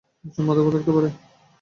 নিচে মাদক থাকতেও পারে!